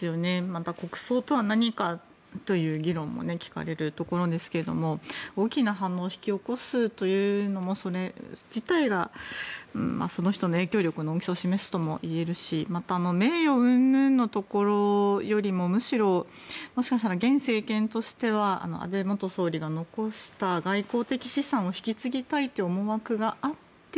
また、国葬とは何かという議論も聞かれるところですが大きな反応を引き起こすというのもそれ自体がその人の影響力の大きさを示すともいえるしまた名誉うんぬんのところよりもむしろもしかしたら現政権としては安倍元総理が残した外交的資産を引き継ぎたいという思惑があって